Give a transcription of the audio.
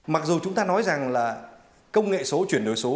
mặc dù chúng ta nói rằng là công nghệ số chuyển đổi số